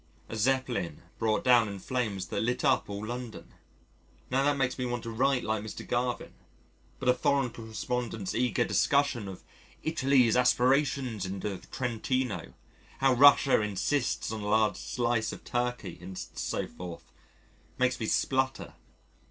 A Zeppelin brought down in flames that lit up all London now that makes me want to write like Mr. Garvin. But a Foreign Correspondent's eager discussion of "Italy's aspirations in the Trentino," how Russia insists on a large slice of Turkey, and so forth, makes me splutter.